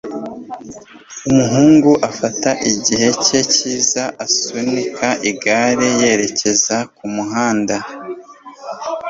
Umuhungu afata igihe cye cyiza asunika igare yerekeza kumuhanda.